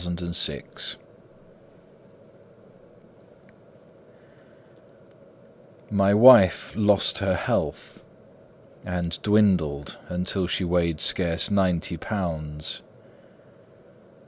Willard Fluke My wife lost her health, And dwindled until she weighed scarce ninety pounds.